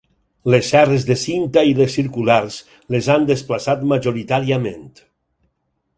Les serres de cinta i les circulars les han desplaçat majoritàriament.